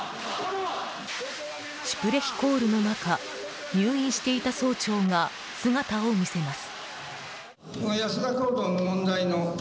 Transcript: シュプレヒコールの中入院していた総長が姿を見せます。